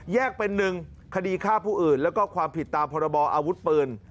เป็นหนึ่งคดีฆ่าผู้อื่นแล้วก็ความผิดตามพรบออาวุธปืน